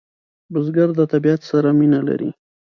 بزګر د طبیعت سره مینه لري